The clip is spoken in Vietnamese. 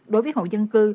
đối với hộ dân cư